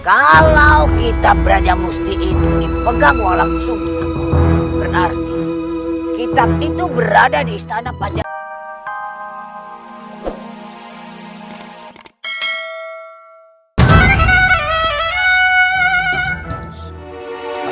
kalau kita beraja musti itu dipegang langsung berarti kita itu berada di istana pancasila